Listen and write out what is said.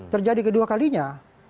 terjadi kedua kalinya